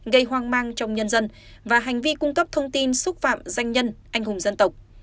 gây hoang mang trong nhân dân và hành vi cung cấp thông tin xúc phạm danh nhân anh hùng dân tộc